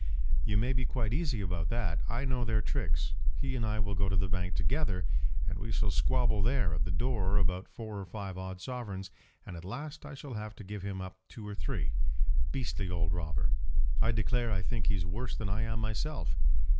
"You may be quite easy about that. I know their tricks. He and I will go to the bank together, and we shall squabble there at the door about four or five odd sovereigns, and at last I shall have to give him up two or three. Beastly old robber! I declare I think he's worse than I am myself."